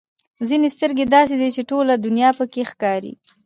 ځینې سترګې داسې دي چې ټوله دنیا پکې ښکاري.